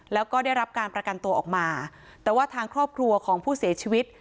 แล้วก็ได้รับการประกันตัวออกมาแต่ว่าทางครอบครัวของผู้เสียชีวิต